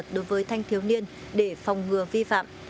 đối với thanh thiếu niên để phòng ngừa vi phạm